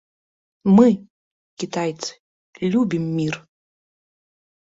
Мы, кітайцы, любім мір.